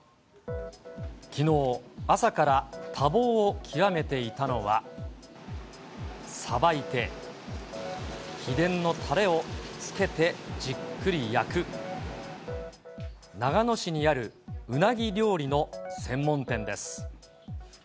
きのう、朝から多忙を極めていたのは、さばいて、秘伝のたれをつけてじっくり焼く、長野市にあるうなぎ料理の専門店です。